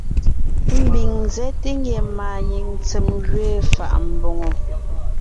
Ḿbiŋ ńzέte ngie màanyìŋ ntsém gẅiin fà’a mbòŋo.